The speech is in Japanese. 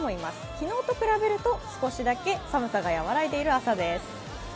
昨日と比べると少しだけ寒さが和らいでいる朝です。